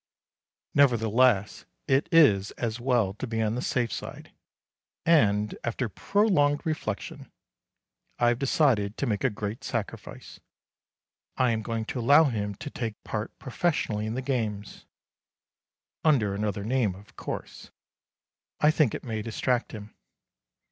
Nevertheless it is as well to be on the safe side, and, after prolonged reflection, I have decided to make a great sacrifice. I am going to allow him to take part professionally in the games: under another name of course. I think it may distract him.